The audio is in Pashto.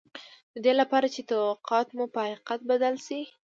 د دې لپاره چې توقعات مو په حقيقت بدل شي.